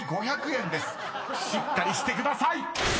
［しっかりしてください！］